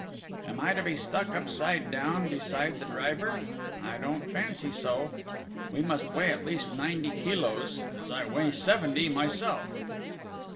... "Am I to be stuck upside down beside the driver? I don't fancy so!... We must weigh at least ninety kilos, as I weigh seventy myself!"